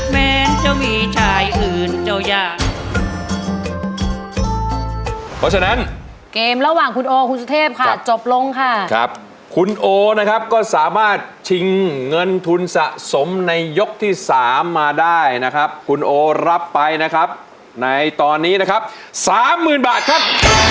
เพราะฉะนั้นเกมระหว่างคุณโอคุณสุเทพค่ะจบลงค่ะครับคุณโอนะครับก็สามารถชิงเงินทุนสะสมในยกที่สามมาได้นะครับคุณโอรับไปนะครับในตอนนี้นะครับสามหมื่นบาทครับ